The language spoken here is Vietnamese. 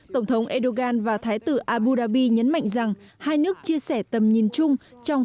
tổng thống erdogan và thái tử abu dhabi nhấn mạnh rằng hai nước chia sẻ tầm nhìn chung trong